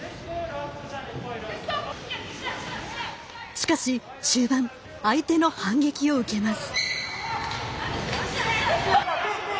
しかし終盤相手の反撃を受けます。